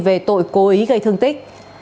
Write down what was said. về tội cố ý gây thương tích